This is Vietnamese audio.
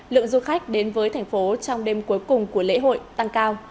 lượng du khách đến với thành phố trong đêm cuối cùng của lễ hội tăng cao